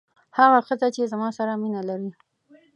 هغه ښځه چې زما سره مینه لري.